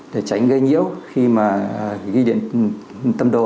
để tránh gây nhiễu khi mà ghi điện tâm đồ